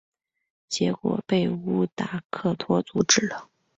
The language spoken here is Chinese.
结果被达克托阻止了。